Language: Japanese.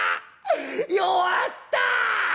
弱った！』」。